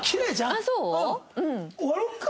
ああそう？